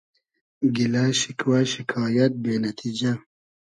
گیلۂ شیکوۂ شیکایئد بې نئتیجۂ